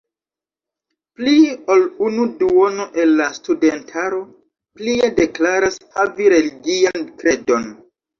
Pli ol unu duono el la studentaro plie deklaras havi religian kredon.